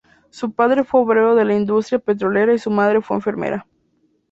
Su padre fue obrero de la industria petrolera y su madre fue enfermera.